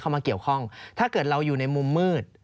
มาเกี่ยวข้องถ้าเกิดเราอยู่ในมุมมืด